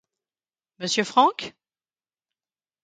M. Frank ?